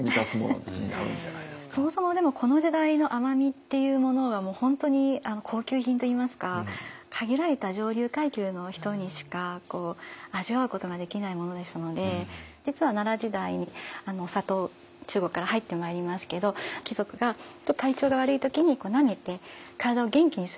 そもそもでもこの時代の甘味っていうものはもう本当に高級品といいますか限られた上流階級の人にしか味わうことができないものですので実は奈良時代にお砂糖中国から入ってまいりますけど貴族が体調が悪い時になめて体を元気にする。